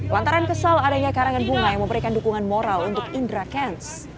lantaran kesal adanya karangan bunga yang memberikan dukungan moral untuk indra kents